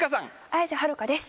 綾瀬はるかです。